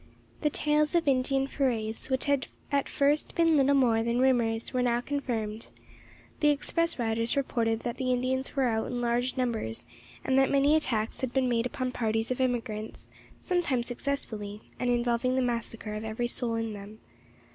The tales of Indian forays, which had at first been little more than rumours, were now confirmed. The express riders reported that the Indians were out in large numbers, and that many attacks had been made upon parties of emigrants, sometimes successfully, and involving the massacre of every soul in them.